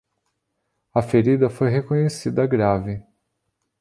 A ferida foi reconhecida grave.